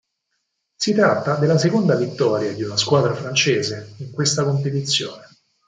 Si tratta della seconda vittoria di una squadra francese in un questa competizione.